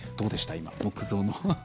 今、木造の。